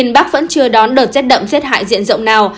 miền bắc vẫn chưa đón đợt rét đậm rét hại diện rộng nào